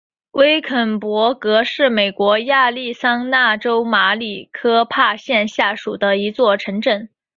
威肯勃格是美国亚利桑那州马里科帕县下属的一座城镇。